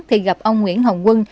thì gặp ông nguyễn hồng quân